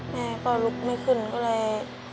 แม่ก็ลุกไม่ขึ้นก็เลย